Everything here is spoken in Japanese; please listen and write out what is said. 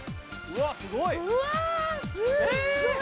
うわっすごい！